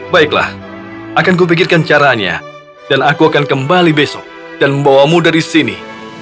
baiklah akan kupikirkan caranya dan aku akan kembali besok dan membawamu dari sini